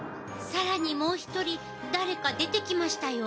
さらに、もう１人誰か出てきましたよ。